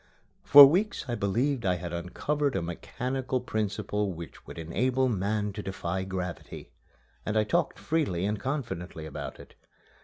For weeks I believed I had uncovered a mechanical principle which would enable man to defy gravity. And I talked freely and confidently about it.